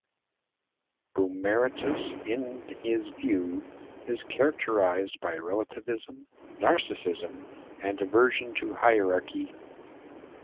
Boomeritis, in his view, is characterized by relativism, narcissism, and aversion to hierarchy.